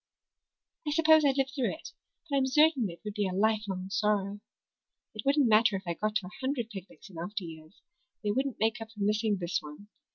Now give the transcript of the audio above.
I suppose I'd live through it, but I'm certain it would be a lifelong sorrow. It wouldn't matter if I got to a hundred picnics in after years; they wouldn't make up for missing this one.